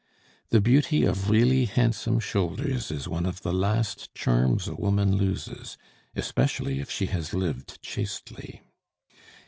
The beauty of really handsome shoulders is one of the last charms a woman loses, especially if she has lived chastely.